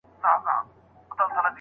ماهر له ډېر وخته په موزيم کي کار کړی و.